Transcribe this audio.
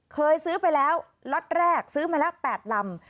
เคยซื้อไปแล้วล็อตแรกซื้อมาแล้ว๘ลำ